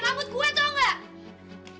rambut gue toh gak